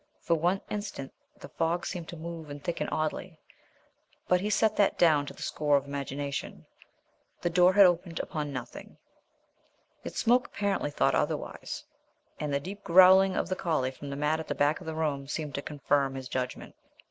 For one instant the fog seemed to move and thicken oddly; but he set that down to the score of the imagination. The door had opened upon nothing. Yet Smoke apparently thought otherwise, and the deep growling of the collie from the mat at the back of the room seemed to confirm his judgment.